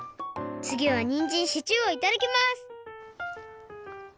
つぎはにんじんシチューをいただきます！